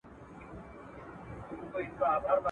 سپیني خولې دي مزه راکړه داسي ټک دي سو د شونډو.